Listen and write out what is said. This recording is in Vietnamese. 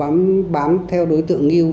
có những lần tôi bám theo đối tượng ngưu